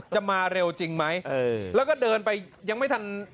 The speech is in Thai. มาเร็วจริงไหมแล้วก็เดินไปยังไม่ทัน